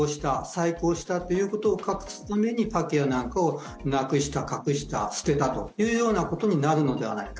細工をしたということを隠すためにパッケージなどをなくした、隠した捨てたというようなことになるのではないか。